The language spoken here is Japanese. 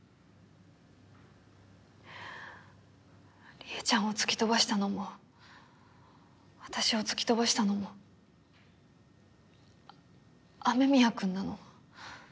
りえちゃんを突き飛ばしたのも私を突き飛ばしたのも雨宮くんなの？